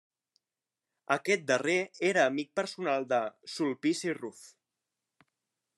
Aquest darrer era amic personal de Sulpici Ruf.